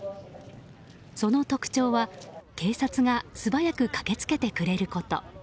その特徴は、警察が素早く駆けつけてくれること。